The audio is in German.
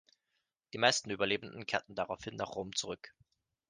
Die meisten Überlebenden kehrten daraufhin nach Rom zurück.